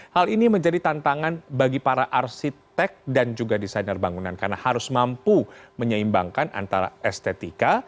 hal ini menjadi tantangan bagi para arsitek dan juga desainer bangunan karena harus mampu menyeimbangkan antara estetika